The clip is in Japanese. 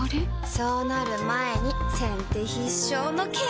そうなる前に先手必勝のケア！